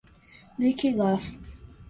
Liquigás